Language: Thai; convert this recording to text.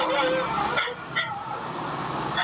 อ่ะเป็นบีบอยน้ำ